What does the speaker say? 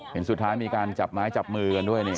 เห็นสุดท้ายมีการจับไม้จับมือกันด้วยนี่